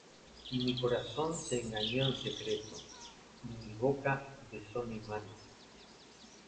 Y mi corazón se engañó en secreto, Y mi boca besó mi mano: